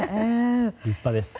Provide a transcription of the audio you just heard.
立派です。